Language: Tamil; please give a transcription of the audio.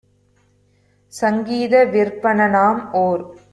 சங்கீத விற்பனனாம் - ஒரு